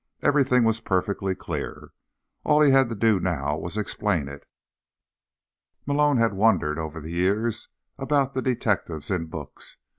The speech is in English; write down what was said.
Everything was perfectly clear; all he had to do now was explain it. Malone had wondered, over the years, about the detectives in books.